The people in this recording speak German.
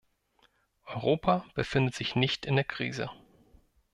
Europa befindet sich nicht in der Krise.